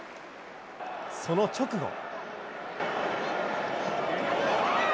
その直後。